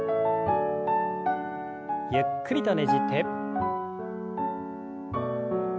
ゆっくりとねじって。